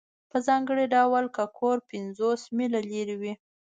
په ځانګړي ډول که کور پنځوس میله لرې وي